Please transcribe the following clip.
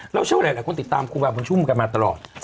เชื่อว่าหลายคนติดตามครูบาบุญชุมกันมาตลอด